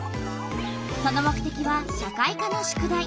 その目てきは社会科の宿題。